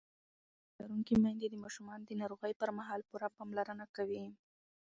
تعلیم لرونکې میندې د ماشومانو د ناروغۍ پر مهال پوره پاملرنه کوي.